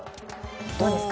どうですか？